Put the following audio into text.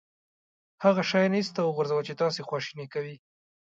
هغه شیان ایسته وغورځوه چې تاسو خواشینی کوي.